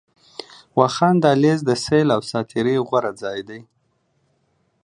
واخان دهلېز، د سيل او ساعتري غوره ځای